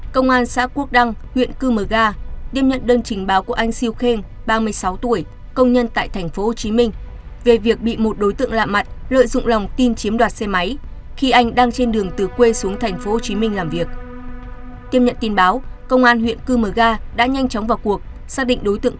công an tp tuyên quang đã tham mưu lãnh đạo công an tỉnh xác lập chuyên án truy xét